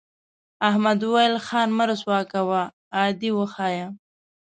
احمد وویل خان مه رسوا کوه عادي وښیه.